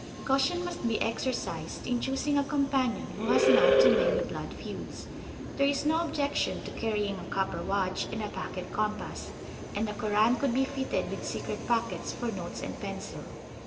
Caution must be exercised in choosing a companion who has not too many blood feuds. There is no objection to carrying a copper watch and a pocket compass, and a Koran could be fitted with secret pockets for notes and pencil.